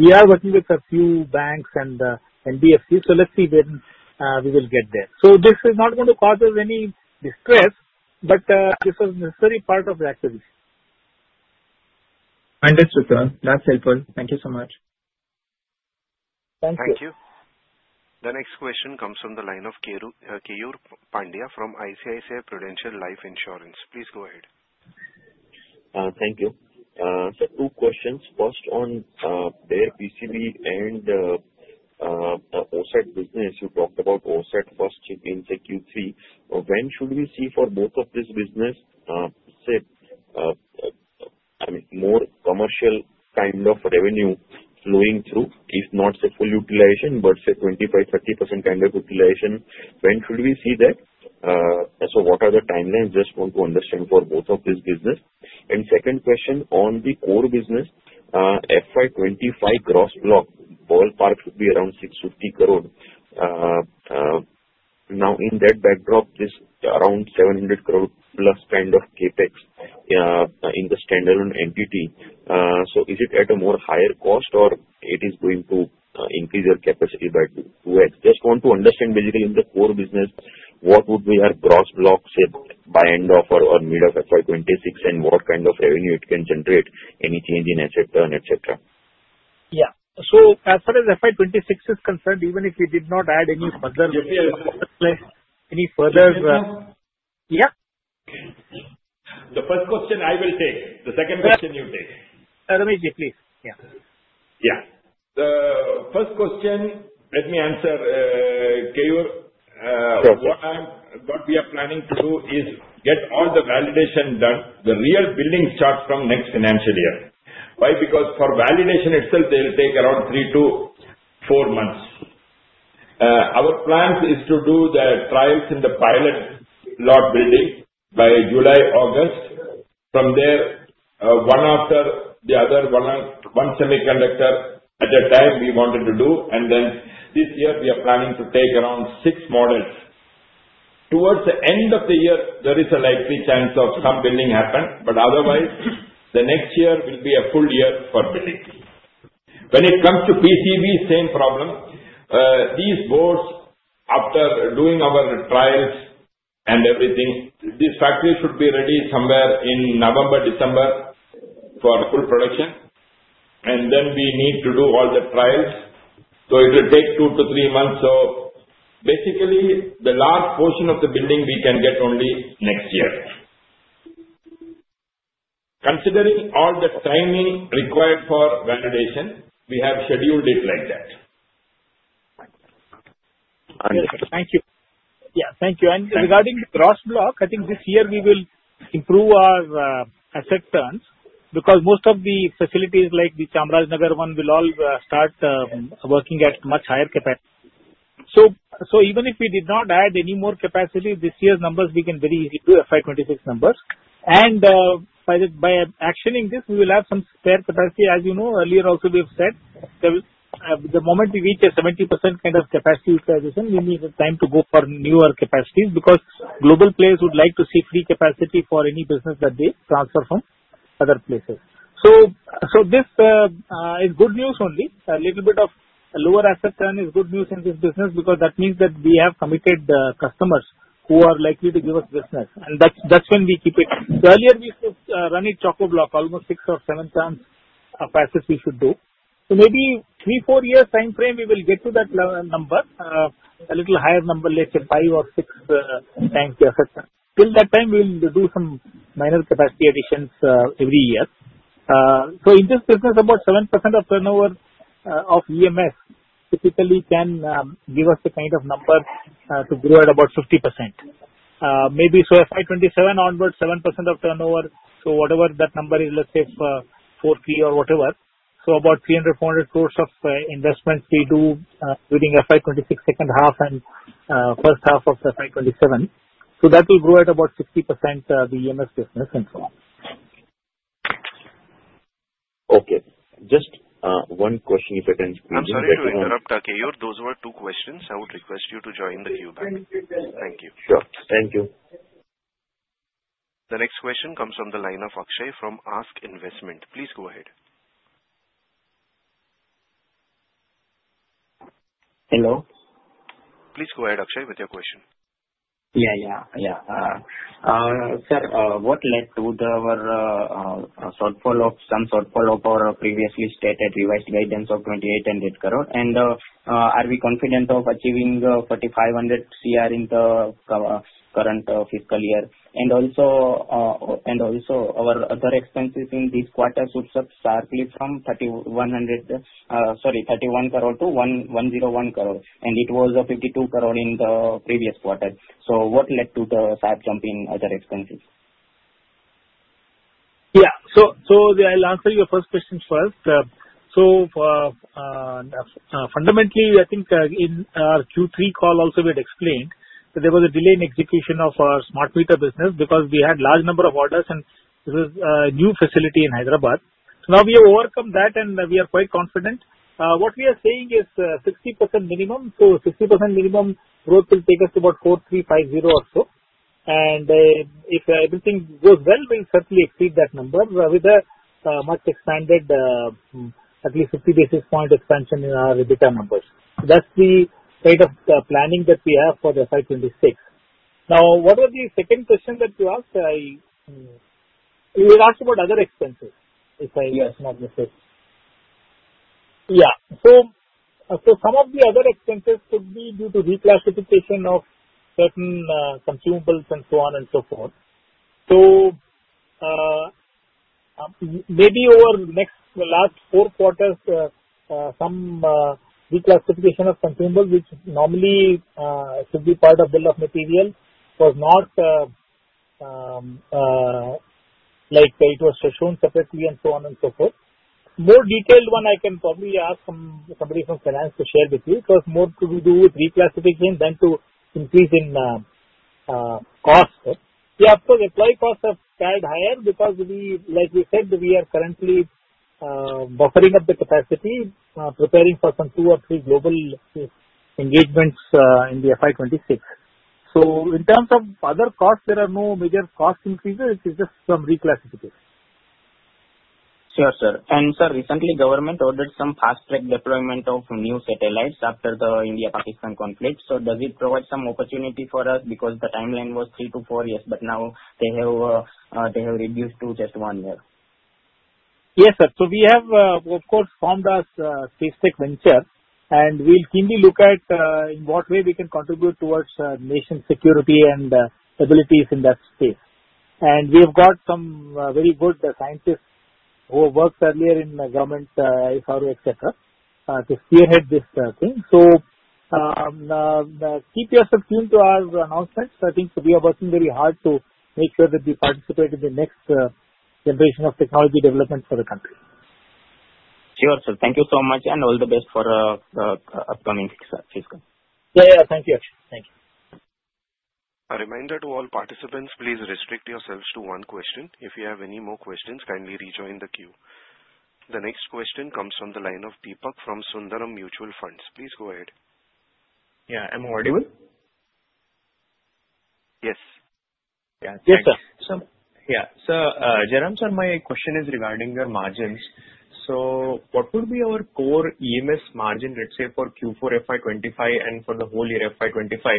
We are working with a few banks and NBFC, so let's see when we will get there. So this is not going to cause us any distress, but this was necessary part of the activity. Understood, sir. That's helpful. Thank you so much. Thank you. Thank you. The next question comes from the line of Keyur Pandya from ICICI Prudential Life Insurance. Please go ahead. Thank you. So two questions first on their PCB and OSAT business. You talked about OSAT first in Q3. When should we see for both of these business, say, more commercial kind of revenue flowing through? If not, say, full utilization, but say, 25%-30% kind of utilization, when should we see that? So what are the timelines? Just want to understand for both of these business. And second question on the core business, FY 2025 gross block, ballpark should be around 650 crore. Now, in that backdrop, there's around 700 crore-plus kind of CapEx in the standalone entity. So is it at a more higher cost, or it is going to increase your capacity by 2x? Just want to understand basically in the core business, what would be our gross block, say, by end of or mid of FY 2026, and what kind of revenue it can generate? Any change in asset turn, et cetera? Yeah. So as far as FY 2026 is concerned, even if we did not add any further. The first question I will take. The second question you take. Immediately, please. Yeah. Yeah. The first question, let me answer, Keyur. What we are planning to do is get all the validation done, the real building start from next financial year. Why? Because for validation itself, they'll take around three, two, four months. Our plan is to do the trials in the pilot lot building by July, August. From there, one after the other, one semiconductor at a time we wanted to do. And then this year, we are planning to take around six models. Towards the end of the year, there is a likely chance of some building happen, but otherwise, the next year will be a full year for building. When it comes to PCB, same problem. These boards, after doing our trials and everything, this factory should be ready somewhere in November, December for full production. And then we need to do all the trials. So it will take two to three months. So basically, the last portion of the building we can get only next year. Considering all the timing required for validation, we have scheduled it like that. Thank you. Yeah. Thank you. Regarding the gross block, I think this year we will improve our asset turns because most of the facilities like the Chamarajanagar one will all start working at much higher capacity. So even if we did not add any more capacity, this year's numbers, we can very easily do FY 2026 numbers. By actioning this, we will have some spare capacity. As you know, earlier also we have said, the moment we reach a 70% kind of capacity utilization, we need time to go for newer capacities because global players would like to see free capacity for any business that they transfer from other places. So this is good news only. A little bit of lower asset turn is good news in this business because that means that we have committed customers who are likely to give us business. And that's when we keep it. Earlier, we could run it chockablock, almost six or seven times of assets we should do. So maybe three, four years' time frame, we will get to that number, a little higher number, let's say, five or six times the asset turn. Till that time, we'll do some minor capacity additions every year. So in this business, about 7% of turnover of EMS typically can give us the kind of number to grow at about 50%. Maybe so FY 2027 onward, 7% of turnover. So whatever that number is, let's say, four, three, or whatever. So about 300 crore-400 crore of investments we do during FY 2026 second half and first half of FY 2027. So that will grow at about 60% the EMS business and so on. Okay. Just one question if I can interrupt? I'm sorry to interrupt, Keyur. Those were two questions. I would request you to join the queue back. Thank you. Sure. Thank you. The next question comes from the line of Akshay from ASK Investment. Please go ahead. Hello. Please go ahead, Akshay, with your question. Sir, what led to our shortfall of our previously stated revised guidance of 2,800 crore? Are we confident of achieving 4,500 crore in the current fiscal year? Also, our other expenses in this quarter should sharply jump from 31 crore to 101 crore. It was 52 crore in the previous quarter. What led to the sharp jump in other expenses? Yeah. So I'll answer your first question first. So fundamentally, I think in our Q3 call, also we had explained that there was a delay in execution of our smart meter business because we had a large number of orders, and this is a new facility in Hyderabad. So now we have overcome that, and we are quite confident. What we are saying is 60% minimum. So 60% minimum growth will take us to about 4,350 or so. And if everything goes well, we'll certainly exceed that number with a much expanded, at least 50 basis point expansion in our data numbers. So that's the kind of planning that we have for FY 2026. Now, what was the second question that you asked? You asked about other expenses, if I not misheard. Yeah. So some of the other expenses could be due to reclassification of certain consumables and so on and so forth. So maybe over the last four quarters, some reclassification of consumables, which normally should be part of bill of material, was not like it was shown separately and so on and so forth. More detailed one, I can probably ask somebody from finance to share with you because more to do with reclassification than to increase in cost. Yeah. Of course, employee costs have gone higher because, like we said, we are currently building up the capacity, preparing for some two or three global engagements in the FY 2026. So in terms of other costs, there are no major cost increases. It is just some reclassification. Sure, sir. And sir, recently, government ordered some fast-track deployment of new satellites after the India-Pakistan conflict. So does it provide some opportunity for us because the timeline was three to four years? But now they have reduced to just one year. Yes, sir, so we have, of course, formed a space tech venture, and we'll keenly look at in what way we can contribute towards national security and capabilities in that space, and we have got some very good scientists who worked earlier in government, ISRO, et cetera, to spearhead this thing, so keep yourself tuned to our announcements. I think we are working very hard to make sure that we participate in the next generation of technology development for the country. Sure, sir. Thank you so much, and all the best for the upcoming fiscal. Yeah. Yeah. Thank you, Akshay. Thank you. A reminder to all participants, please restrict yourselves to one question. If you have any more questions, kindly rejoin the queue. The next question comes from the line of Deepak from Sundaram Mutual Funds. Please go ahead. Yeah. I'm audible? Yes. Yes, sir. Yeah. So Jairam sir, my question is regarding your margins. So what would be our core EMS margin, let's say, for Q4 FY 2025 and for the whole year FY 2025?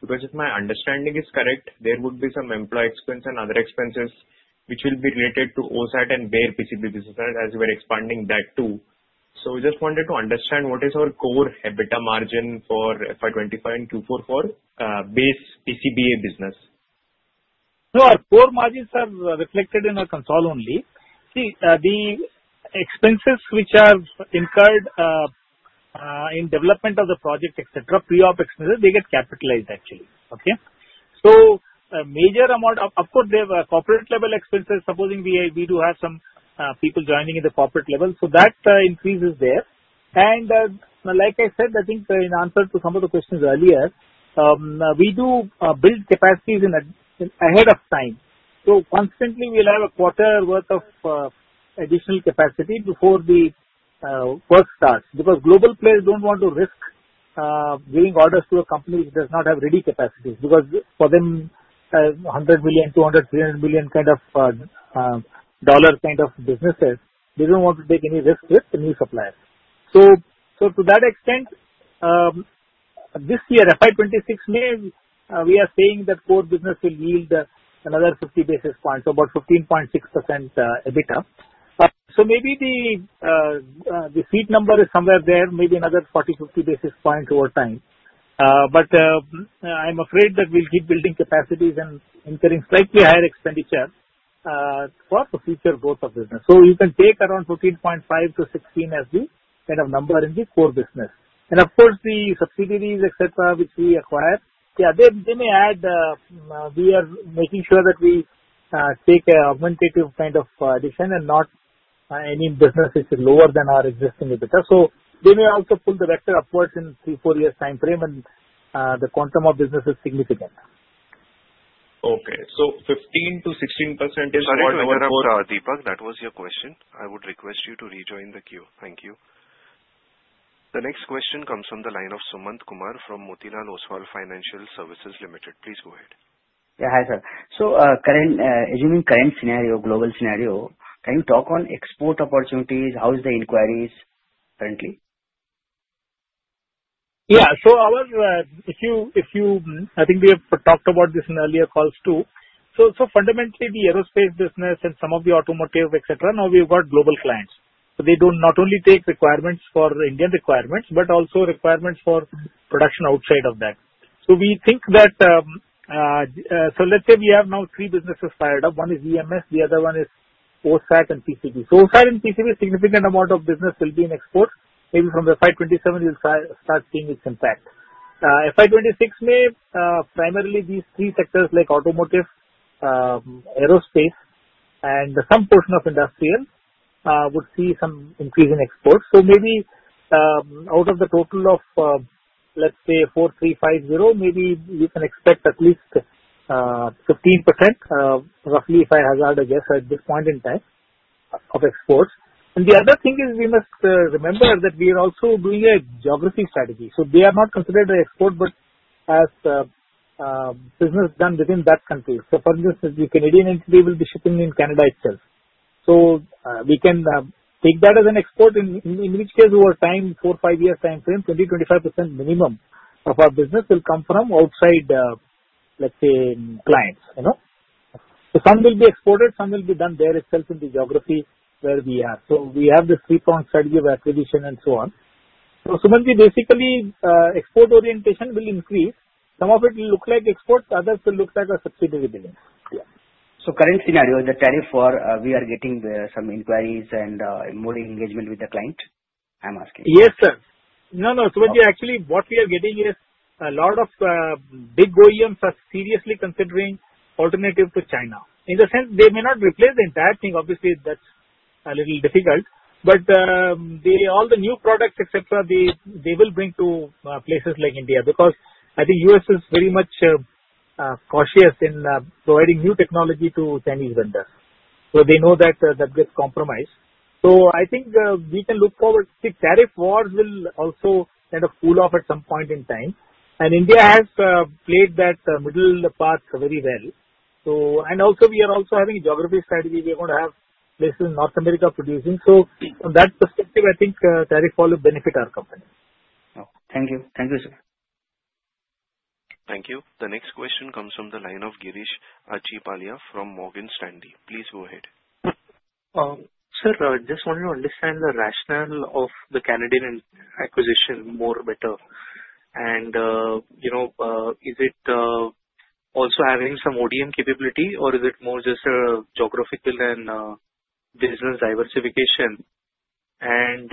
Because if my understanding is correct, there would be some employee expense and other expenses which will be related to OSAT and HDI PCB business as we are expanding that too. So we just wanted to understand what is our core EBITDA margin for FY 2025 and Q4 for base PCBA business. Our core margins, sir, are reflected in our cost only. See, the expenses which are incurred in development of the project, et cetera, pre-op expenses, they get capitalized, actually. Okay? So major amount of course, they have corporate-level expenses. Supposing we do have some people joining in the corporate level, so that increases there. And like I said, I think in answer to some of the questions earlier, we do build capacities ahead of time. So constantly, we'll have a quarter worth of additional capacity before the work starts because global players don't want to risk giving orders to a company which does not have ready capacity because for them, 100 million, 200 million, 300 million kind of dollar kind of businesses, they don't want to take any risk with the new suppliers. So to that extent, this year, FY 2026, we are saying that core business will yield another 50 basis points, so about 15.6% EBITDA. So maybe the seed number is somewhere there, maybe another 40 basis points-50 basis points over time. But I'm afraid that we'll keep building capacities and incurring slightly higher expenditure for the future growth of business. So you can take around 14.5%-16% as the kind of number in the core business. And of course, the subsidiaries, et cetera, which we acquire, yeah, they may add. We are making sure that we take an augmentative kind of addition and not any business which is lower than our existing EBITDA. So they may also pull the vector upwards in three, four years' time frame, and the quantum of business is significant. Okay. So 15%-16% is for. Deepak, that was your question. I would request you to rejoin the queue. Thank you. The next question comes from the line of Sumant Kumar from Motilal Oswal Financial Services Limited. Please go ahead. Yeah. Hi, sir. So assuming current scenario, global scenario, can you talk on export opportunities? How is the inquiries currently? Yeah. So if you I think we have talked about this in earlier calls too. So fundamentally, the aerospace business and some of the automotive, etc., now we've got global clients. So they don't not only take requirements for Indian requirements but also requirements for production outside of that. So we think that so let's say we have now three businesses fired up. One is EMS. The other one is OSAT and PCB. So OSAT and PCB, a significant amount of business will be in export. Maybe from FY 2027, you'll start seeing its impact. FY 2026 may primarily these three sectors like automotive, aerospace, and some portion of industrial would see some increase in exports. So maybe out of the total of, let's say, 4,350, maybe you can expect at least 15%, roughly 5,000, I guess, at this point in time of exports. And the other thing is we must remember that we are also doing a geography strategy. So they are not considered export but as business done within that country. So for instance, the Canadian entity will be shipping in Canada itself. So we can take that as an export, in which case over time, four, five years' time frame, 20%-25% minimum of our business will come from outside, let's say, clients. So some will be exported, some will be done there itself in the geography where we are. So we have this three-point strategy of acquisition and so on. So basically, export orientation will increase. Some of it will look like exports. Others will look like a subsidiary building. So, current scenario, the tariff war, we are getting some inquiries and more engagement with the client. I'm asking. Yes, sir. No, no. Sumant, actually, what we are getting is a lot of big OEMs are seriously considering alternative to China. In the sense, they may not replace the entire thing. Obviously, that's a little difficult. But all the new products, et cetera, they will bring to places like India because I think the U.S. is very much cautious in providing new technology to Chinese vendors. So they know that that gets compromised. So I think we can look forward to see tariff wars will also kind of cool off at some point in time. And India has played that middle path very well. And also, we are also having a geography strategy. We are going to have places in North America producing. So from that perspective, I think tariff war will benefit our company. Thank you. Thank you, sir. Thank you. The next question comes from the line of Girish Achhipalia from Morgan Stanley. Please go ahead. Sir, I just wanted to understand the rationale of the Canadian acquisition more better. And is it also having some ODM capability, or is it more just a geographical and business diversification? And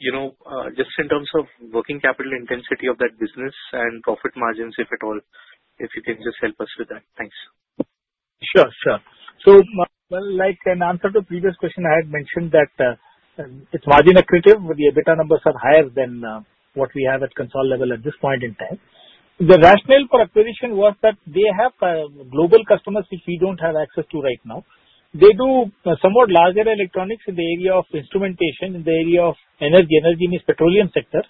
just in terms of working capital intensity of that business and profit margins, if at all, if you can just help us with that. Thanks. Sure. Sure. So, in answer to the previous question, I had mentioned that it's margin accretive with the EBITDA numbers are higher than what we have at consolidated level at this point in time. The rationale for acquisition was that they have global customers which we don't have access to right now. They do somewhat larger electronics in the area of instrumentation, in the area of energy. Energy means petroleum sector,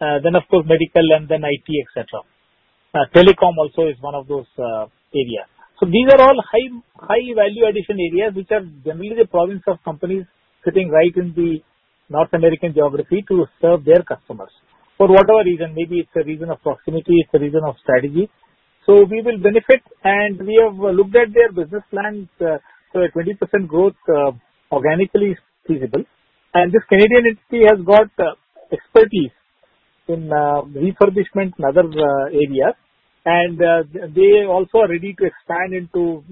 then, of course, medical, and then IT, et cetera. Telecom also is one of those areas. So these are all high-value addition areas which are generally the province of companies sitting right in the North American geography to serve their customers for whatever reason. Maybe it's a reason of proximity. It's a reason of strategy. So we will benefit. And we have looked at their business plan. So a 20% growth organically is feasible. And this Canadian entity has got expertise in refurbishment and other areas. And they also are ready to expand into,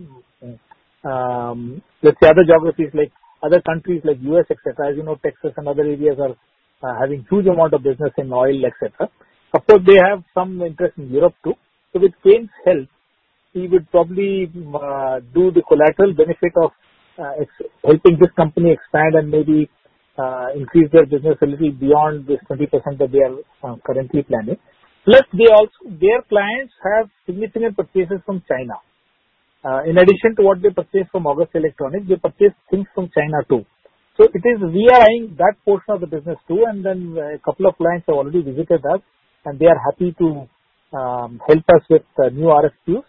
let's say, other geographies like other countries like the U.S., et cetera, as you know, Texas and other areas are having a huge amount of business in oil, et cetera. Of course, they have some interest in Europe too. So with Kaynes' help, we would probably do the collateral benefit of helping this company expand and maybe increase their business a little beyond this 20% that they are currently planning. Plus, their clients have significant purchases from China. In addition to what they purchased from August Electronics, they purchased things from China too. So we are eyeing that portion of the business too. And then a couple of clients have already visited us, and they are happy to help us with new RFQs.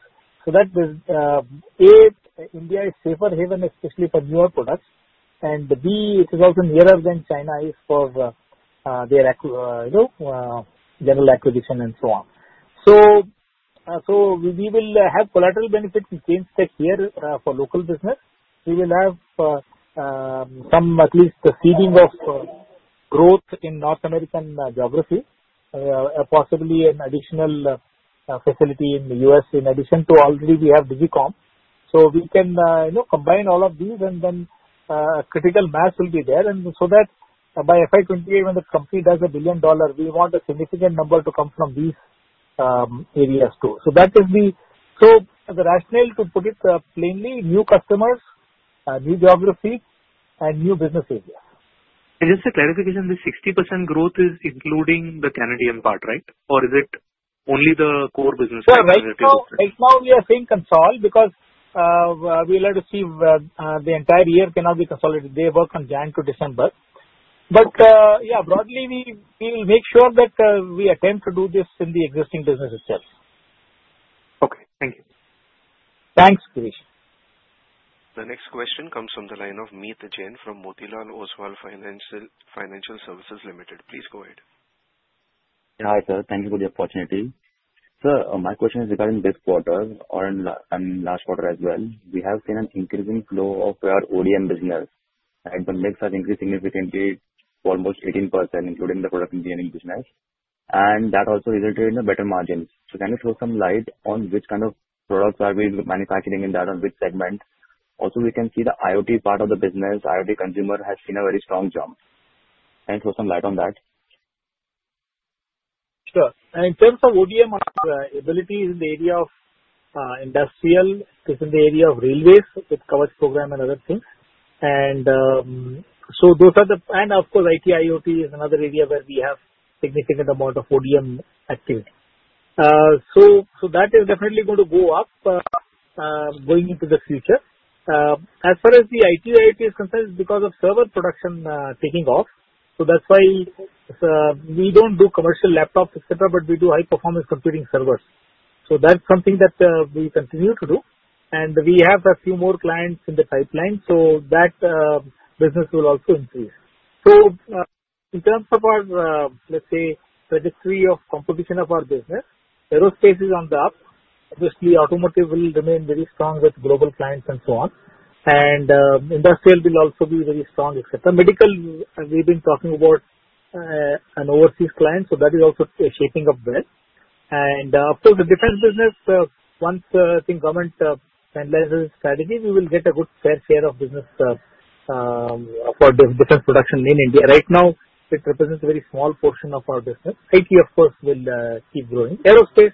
So that is, A, India is a safe haven, especially for newer products. And B, it is also nearer than China is for their general acquisition and so on. So we will have collateral benefits in Kaynes Tech here for local business. We will have some, at least, seeding of growth in North American geography, possibly an additional facility in the U.S. in addition to already we have Digicom. So we can combine all of these, and then a critical mass will be there. And so that by FY 2028, when the company does $1 billion, we want a significant number to come from these areas too. So that is the rationale to put it plainly: new customers, new geography, and new business areas. Just a clarification, the 60% growth is including the Canadian part, right? Or is it only the core business? Right. Now we are saying consolidate because we'll have to see the entire year cannot be consolidated. They work from January to December. But yeah, broadly, we will make sure that we attempt to do this in the existing business itself. Okay. Thank you. Thanks, Girish. The next question comes from the line of Meet Jain from Motilal Oswal Financial Services Limited. Please go ahead. Hi, sir. Thank you for the opportunity. Sir, my question is regarding this quarter or last quarter as well. We have seen an increasing flow of our ODM business, right, but mix has increase significantly, almost 18%, including the product engineering business, and that also resulted in better margins, so can you throw some light on which kind of products are we manufacturing in that, on which segment? Also, we can see the IoT part of the business. IoT consumer has seen a very strong jump. Can you throw some light on that? Sure. And in terms of ODM, our ability is in the area of industrial. It's in the area of railways, with Kavach program and other things. And so those are, and of course, IT, IoT is another area where we have a significant amount of ODM activity. So that is definitely going to go up going into the future. As far as the IT, IoT is concerned, it's because of server production taking off. So that's why we don't do commercial laptops, etc., but we do high-performance computing servers. So that's something that we continue to do. And we have a few more clients in the pipeline, so that business will also increase. So in terms of our, let's say, trajectory of composition of our business, aerospace is on the up. Obviously, automotive will remain very strong with global clients and so on. And industrial will also be very strong, et cetera. Medical, we've been talking about an overseas client, so that is also shaping up well. And of course, the defense business, once I think government finalizes its strategy, we will get a good fair share of business for defense production in India. Right now, it represents a very small portion of our business. IT, of course, will keep growing. Aerospace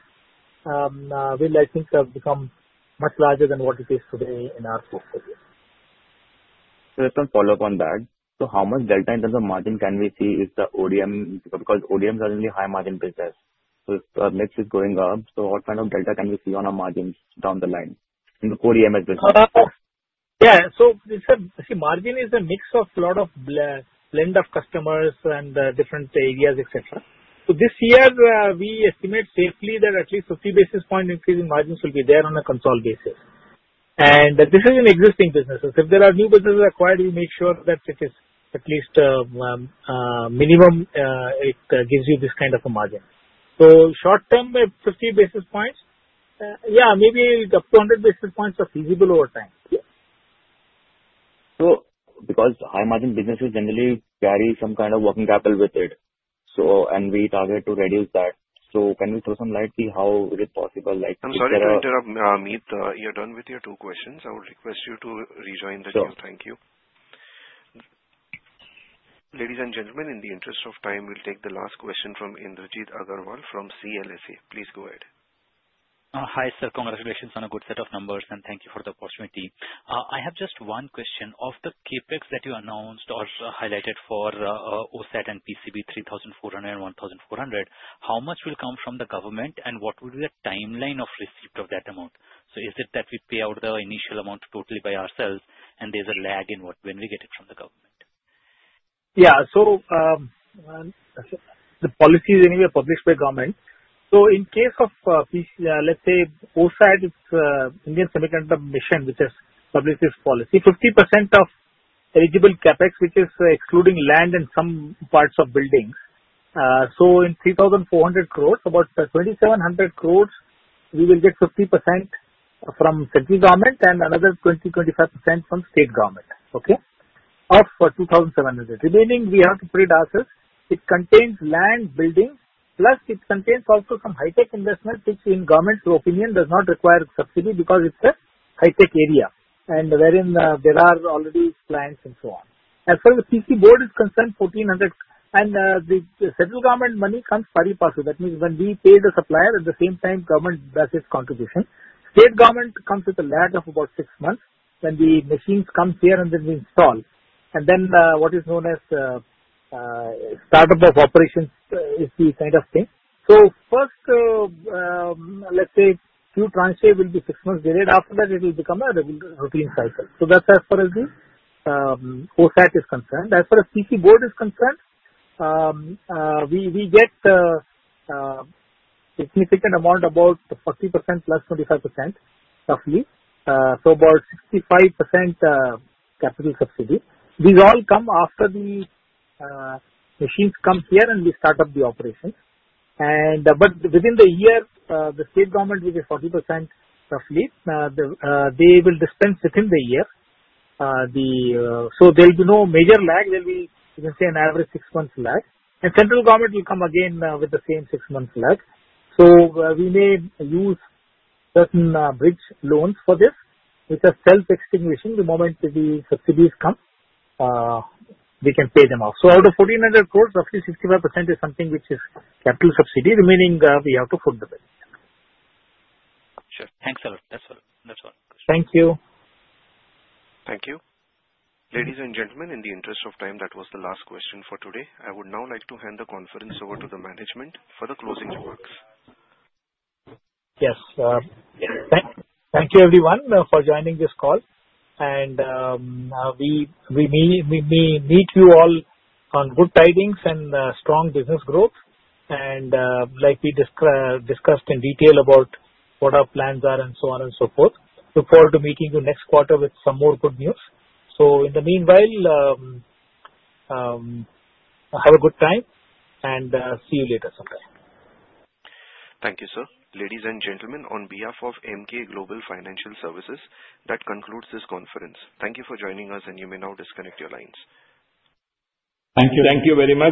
will, I think, become much larger than what it is today in our portfolio. Sir, some follow-up on that. So how much delta in terms of margin can we see if the ODM, because ODM is a high-margin business. So if the mix is going up, so what kind of delta can we see on our margins down the line in the ODM as well? Yeah. So see, margin is a mix of a lot of blend of customers and different areas, etc. So this year, we estimate safely that at least 50 basis points increase in margins will be there on a constant basis. And this is in existing businesses. If there are new businesses acquired, we make sure that it is at least minimum it gives you this kind of a margin. So short-term, 50 basis points, yeah, maybe up to 100 basis points are feasible over time. So because high-margin businesses generally carry some kind of working capital with it, and we target to reduce that. So can you throw some light, see how is it possible? I'm sorry to interrupt. Meet, you're done with your two questions. I will request you to rejoin the queue. Thank you. Ladies and gentlemen, in the interest of time, we'll take the last question from Indrajit Agarwal from CLSA. Please go ahead. Hi, sir. Congratulations on a good set of numbers, and thank you for the opportunity. I have just one question. Of the CapEx that you announced or highlighted for OSAT and PCB, 3,400 and 1,400, how much will come from the government, and what would be the timeline of receipt of that amount? So is it that we pay out the initial amount totally by ourselves, and there's a lag in when we get it from the government? Yeah. So the policies anyway are published by government. So in case of, let's say, OSAT, it's Indian Semiconductor Mission, which has published its policy, 50% of eligible CapEx, which is excluding land and some parts of buildings. So in 3,400 crores, about 2,700 crores, we will get 50% from central government and another 20%-25% from state government, okay, of 2,700. Remaining, we have to put it as is. It contains land, buildings, plus it contains also some high-tech investments, which in government opinion does not require subsidy because it's a high-tech area and wherein there are already clients and so on. As far as the PCB is concerned, 1,400. And the central government money comes very promptly. That means when we pay the supplier, at the same time, government does its contribution. State government comes with a lag of about six months when the machines come here and then we install. And then what is known as startup of operations is the kind of thing. So first, let's say, capex will be six months delayed. After that, it will become a routine cycle. So that's as far as the OSAT is concerned. As far as PCB is concerned, we get a significant amount, about 40% plus 25%, roughly. So about 65% capital subsidy. These all come after the machines come here and we start up the operations. But within the year, the state government, which is 40% roughly, they will dispense within the year. So there will be no major lag. There will be, you can say, an average six-month lag. And central government will come again with the same six-month lag. So we may use certain bridge loans for this, which are self-extinguishing. The moment the subsidies come, we can pay them off. So out of 1,400 crores, roughly 65% is something which is capital subsidy. Remaining, we have to foot the bill. Sure. Thanks, sir. That's all. That's all. Thank you. Thank you. Ladies and gentlemen, in the interest of time, that was the last question for today. I would now like to hand the conference over to the management for the closing remarks. Yes. Thank you, everyone, for joining this call, and we greet you all with good tidings and strong business growth, and like we discussed in detail about what our plans are and so on and so forth, look forward to meeting you next quarter with some more good news, so in the meanwhile, have a good time and see you later sometime. Thank you, sir. Ladies and gentlemen, on behalf of Emkay Global Financial Services, that concludes this conference. Thank you for joining us, and you may now disconnect your lines. Thank you. Thank you very much.